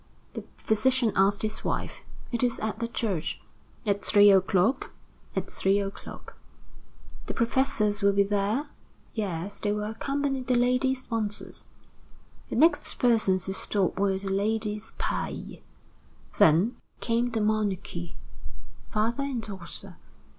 the physician asked his wife. "It is at the church." "At three o'clock?" "At three o'clock." "The professors will be there?" "Yes, they will accompany the lady sponsors." The next persons to stop were the ladies Paille. Then, came the Monecus, father and daughter.